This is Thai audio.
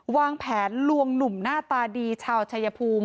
วางแผนลวงหนุ่มหน้าตาดีชาวชายภูมิ